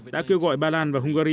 đã kêu gọi ba lan và hungary